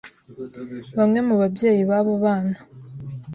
bamwe mu babayeyi b’abo bana